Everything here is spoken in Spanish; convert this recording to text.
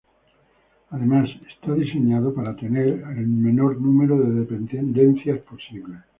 Además, está diseñado para tener el menor número de dependencias posible.